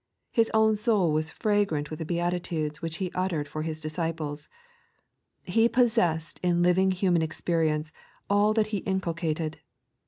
His own soul was fragrant with the Beatitudes which He uttered for His disciples. He pos seesed in living human experience all that He inculcated.